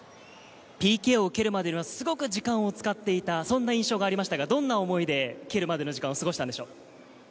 ＰＫを蹴るまですごく時間を使っていた印象がありましたが、どんな思いで蹴るまでの時間を過ごしましたか？